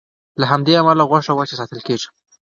له همدې امله غوښه وچه ساتل کېږي.